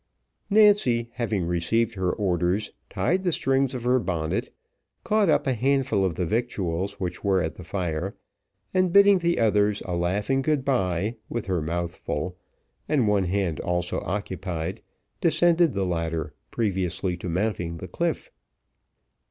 Nancy, having received her orders, tied the strings of her bonnet, caught up a handful of the victuals which were at the fire, and bidding the others a laughing good bye, with her mouth full, and one hand also occupied, descended the ladder, previously to mounting the cliff.